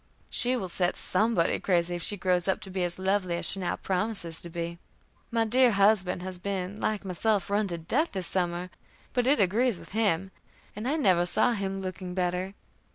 She will set somebody crazy if she grows up to be as lovely as she now promises to be. My dear good husband has been, like myself, run to death this summer; but it agrees with him, and I never saw him looking better.